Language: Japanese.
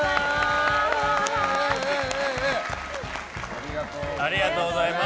ありがとうございます。